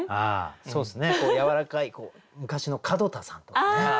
そうですねやわらかい昔の門田さんとかね。